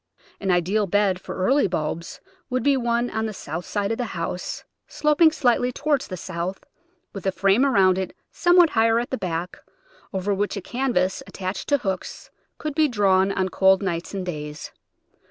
An ideal bed for early bulbs would be one on the south side of the house, sloping slightly toward the south, with a frame around it somewhat higher at the back, over which a canvas attached to hooks could be drawn on cold nights and days.